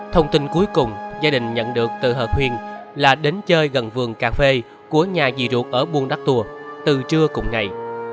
thông tin cuối cùng gia đình nhận được từ hợp huyên là đến chơi gần vườn cà phê của nhà dị ruột ở buôn đắc tùa từ trưa cùng ngày